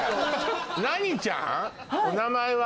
何ちゃん？お名前は？